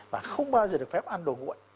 và không bao giờ được phép ăn đồ nguội